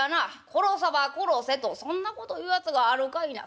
『殺さば殺せ』とそんなこと言うやつがあるかいな。